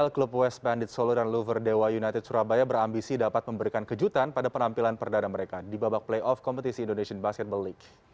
klub west bandit solo dan lover dewa united surabaya berambisi dapat memberikan kejutan pada penampilan perdana mereka di babak playoff kompetisi indonesian basketball league